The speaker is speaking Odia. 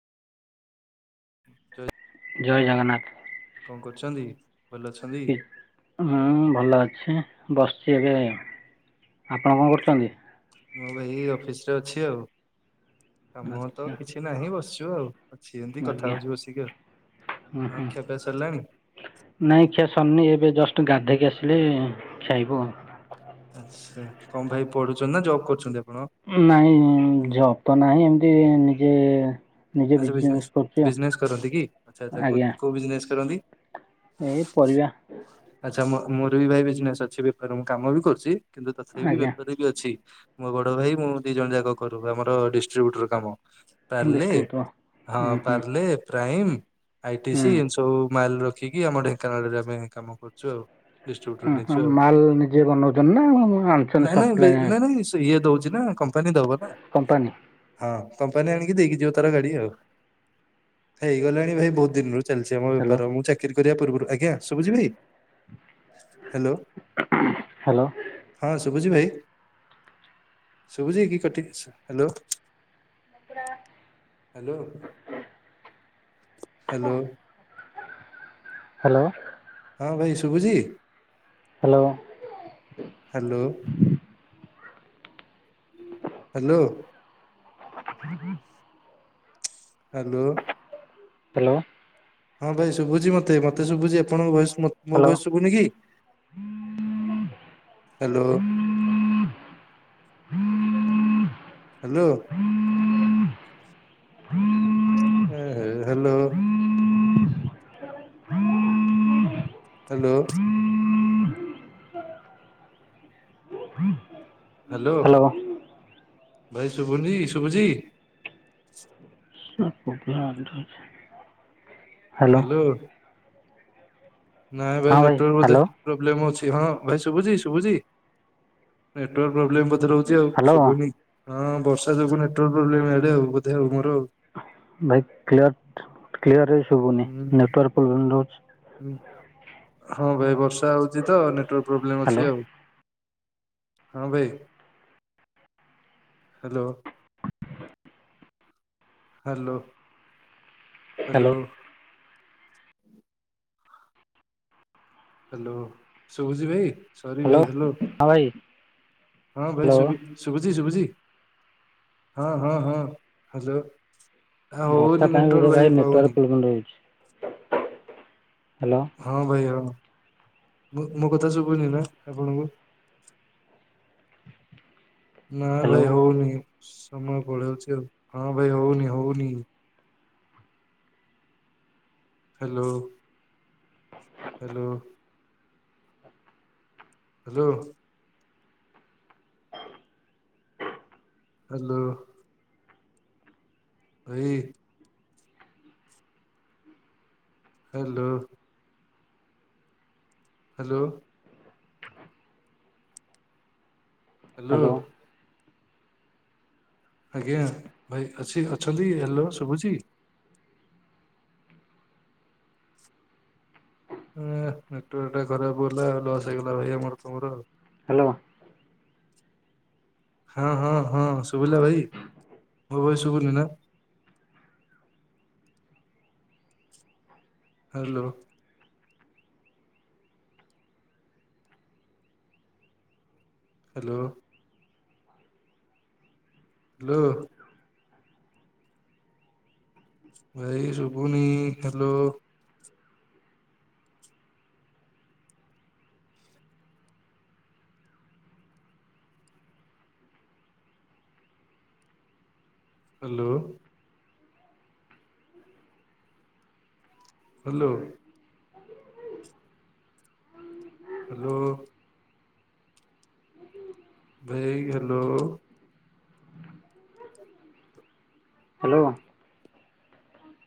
ହୁଁ। ଜୟ ଜଗନ୍ନାଥ। କଣ କରୁଛନ୍ତି ଭଲ ଅଛ୍ ହି ମୁଁ ଭଲ ଅଛି। ବସଚି ଏବେ। ଆପଣ କଣ କରୁଚନ୍ତି? ମୁଁ ଭାଇ ଅଫିସ ରେ ଅଛି ଆଉ। କାମ ତ ଆଚ୍ଛା କିଛି ନାହିଁ ବସିଚୁ ଆଉ। ସେ ଏମତି କଥା ଆଜ୍ଞା ହଉଚି ବସିକି ଆଉ ହୁଁ ହଉ ହୁଁ ଖିଆ ପିଆ ସରିଲାଣି? ନାଇଁ ଖିଆ ସରିନି ଏବେ ଜଷ୍ଟ ଗାଧେଇକି ଆସିଲି ଖାଇବୁ ଆଉ। ଆଚ୍ଛା କଣ ଭାଇ ପଢୁଛନ୍ତି ନା ଜବ୍ କରୁଛନ୍ତି ଆପଣ? ନାଇଁ ଜବ୍ ତ ନାହିଁ ଏମତି ନିଜେ ନିଜେ ଆଚ୍ଛା ବିଜନେସ୍ କରୁଛି ଆଉ ବିଜନେସ୍ କରନ୍ତି କି ଆଚ୍ଛା ଆଚ୍ଛା କୋ ଆଜ୍ଞା କୋଉ ବିଜନେସ୍ କରନ୍ତି? ଏଇ ପରିବା। ଆଚ୍ଛା ମୋ ମୋର ବି ଭାଇ ବିଜନେସ୍ ଅଛି। ବେପାର ମୁଁ କାମ ବି କରୁଚି କିନ୍ତୁ ତଥାପି ଆଜ୍ଞା ବେପାରୀ ବି ଅଛି। ମୋ ବଡ ଭାଇ ମୁଁ ଦି ଜଣ ଯାକ କରୁ ଆମର ଡିଷ୍ଟ୍ରିବୁଟର କାମ। ପାର୍ଲେ ଡିଷ୍ଟ୍ରି ବୁଟର୍ ହଁ ପାର୍ଲେ ପ୍ରାଇମ ଆଇ ଟି ହୁଁ ସି ଏମତି ସବୁ ମାଲରଖ୍ ଖିକି ଆମ ଢେଙ୍କାନାଳରେ ଆମେ କାମ କରୁଛୁ ଆଉ। ଡିଷ୍ଟ୍ରିବ୍ୟୁଟର ଉଁ ନେଇଛୁ ହୁଁ ଆଉ ମାଲ ନିଜେ ବନଉଚନ୍ତି ନା ନା ଆଣୁଛନ୍ତି ନାଇଁ ସପ୍ଲାଏ? ନା ନାଇଁ ନାଇଁ ଇଏ ଦଉଚି ନା କଂପାନୀ ଦବ ନା କମ୍ପାନୀ ହଁ କଂପାନୀ ଆଣିକି ଦେଇକି ଯିବ ତାର ଗାଡ଼ି ଡି ଆଉ ହେଇଗଲାଣି ଭାଇ ବହୁତ୍ ଦିନରୁ ଚାଲିଛି ଆମ ହ୍ୟାଲୋ ବେପାର ମୁଁ ଚାକ୍ କିରି କରିବା ପୂର୍ବରୁ ଆଜ୍ଞା ଶୁଭୁଛି ଟି ହ୍ୟାଲୋ ହ୍ୟାଲୋ ହଁ ଶୁଭୁଚି ଭାଇ ଶୁଭୁଚି କି କଟି ହ୍ୟାଲୋ ଆ ପୁରା ହ୍ୟାଲୋ। ହ୍ୟାଲୋ ହ୍ୟାଲୋ ହଁ ଭାଇ ଶୁଭୁଚି? Hello hello. ହାଲୋ ହଁ ହାଲୋ। ହ୍ୟାଲୋ ହଁ ଭାଇ ଶୁଭୁଚି ମତେ ମତେ ଶୁଭୁଚି ଆପଣଙ୍କ ଭଏସ୍ ମୋତ୍ ମୋ ହ୍ୟାଲୋ ଭଏସ୍ ଶୁଭୁନି କି? ହ୍ୟାଲୋ ହ୍ୟାଲୋ ଏ ହେ ହ୍ୟାଲୋ ହ୍ୟାଲୋ। ହ୍ୟାଲୋ ଭାଇ ଶୁଭନି ଶୁଭୁଚି? [unintelligible] ହାଲୋ। ନାଇଁ ଭାଇ ହଁ ନେଟୱର୍କ ବୋଧେ ହ୍ୟାଲୋ ପ୍ରୋବ୍ଲେମ ଅଛି ହଁ ଭାଇ ଶୁବୁଚି ଶୁବୁଚି ନେଟୱାର୍କ ପ୍ରୋବ୍ଲେମ ଅ ଭିତର ରହୁଛି ଆଉ ହ୍ୟାଲୋ ଶୁଭୁନି ହଁ ବର୍ଷା ଯୋଗୁ ନେଟୱାର୍କ ପ୍ରୋବ୍ଲେମେ ହେବେ ଆଉ ବୋଧେ ଆଉ ମୋର ଆଉ। ଭାଇ କିରାଟ କ୍ରିଅରେ ଶୁଭୁନି ହୁଁ। ନେଟୱାର୍କ ପ୍ରୋବ୍ଲେମ ରହୁଚି। ହୁଁ ହଁ ଭାଇ ବର୍ଷା ହଉଚି ତ ନେଟୱାର୍କ ପ୍ରୋବ୍ଲେମ ହ୍ୟାଲୋ ଅଛି ଆଉ। ହଁ ଭାଇ hello. Hello. Hello hello. Hello ଶୁଭୁଚି ଭାଇ ସରି ହାଲୋ ଭାଇ ହ୍ୟାଲୋ ହଁ ଭାଇ। ହଁ ଭାଇ ହ୍ୟାଲୋ ଶୁଭୁ ଶୁଭୁ ଶୁଭଚି ଶୁଭୁଚି ହଁ ହଁ ହଁ ହାଯୋ। ବର୍ଷା ପାଇଁ ବୋଧ ଭାଇ ପାଉନି ନେଟୱାର୍କ ପ୍ରୋବ୍ଲେମ ରହୁଚି ହ୍ୟାଲୋ। ହଁ ଭାଇ ହଁ ମୁଁ ମୋ କଥା ଶୁଭୁନି ନା ଆପଣଙ୍କୁ ନା ହ୍ୟାଲୋ ଭାଇ ହଉନି ସମୟ ପଳଉଚି ଆଉ ହଁ ଭାଇ ହଉନି ହଉନି। Hello hello. ହାଲୋ। ହାଲୋ। ଭାଇ ହାଲୋ। ହାଲୋ। ହାଲୋ। ହ୍ୟାଲୋ ଆଜ୍ଞା ଭାଇ ଅଛି ଅଛନ୍ତି କି ହାଲୋ ଶୁଭୁଚି। ନେଟୱାର୍କ ଟା ଖରାପ କରିଦେଲା ଆଉ ଲସ୍ ହେଇଗଲା ଭାଇ ଆମର ତମର ଆଉ। ହାଲୋ। ହଁ ହଁ ହଁ ଶୁଭିଲା ଭାଇ ମୋ ବହି ଶୁଭୁନି ନା ହାଲୋ। ହାଲୋ। ହାଲୋ। ଭାଇ ଶୁଭୁନି ହାଲୋ। ହାଲୋ। ହାଲୋ। ହାଲୋ। ଭାଇ ହାଲୋ। ହାଲୋ।